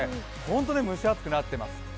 ホントに蒸し暑くなっています。